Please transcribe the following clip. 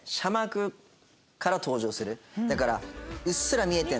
だから。